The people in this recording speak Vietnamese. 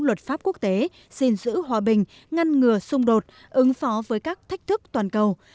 luật pháp quốc tế xin giữ hòa bình ngăn ngừa xung đột ứng phó với các thách thức toàn cầu